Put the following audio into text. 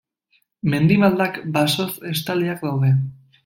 Mendi maldak basoz estaliak daude.